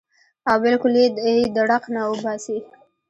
او بالکل ئې د ړق نه اوباسي -